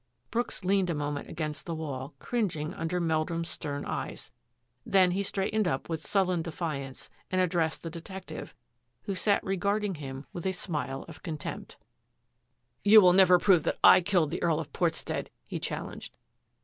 Brooks leaned a moment against the wall, cring ing under Meldrum's stern eyes. Then he straightened up with sullen defiance and addressed the detective, who sat regarding him with a smile of contempt. THE (CONFESSION «68 " You will never prove that I killed the Earl of Portstead," he challenged.